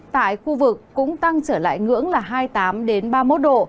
tại khu vực cũng tăng trở lại ngưỡng là hai mươi tám ba mươi một độ